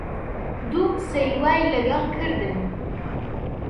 دوو قسەی وای لەگەڵ کردم